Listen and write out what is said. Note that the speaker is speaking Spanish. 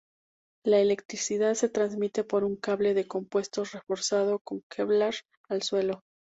La electricidad se transmite por un cable de compuestos reforzado con kevlar al suelo.